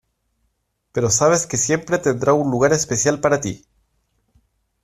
Pero sabes que siempre tendrá un lugar especial para ti.